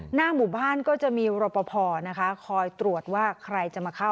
หน้าหมู่บ้านก็จะมีรปภนะคะคอยตรวจว่าใครจะมาเข้า